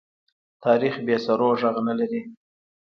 تاریخ بې سرو ږغ نه لري.